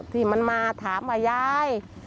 ที่มันมาถามว่ายาย